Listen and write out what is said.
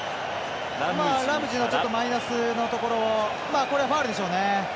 ラムジーのマイナスのところをこれファウルでしょうね。